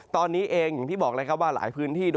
ตอนนี้เองอย่างที่บอกเลยครับว่าหลายพื้นที่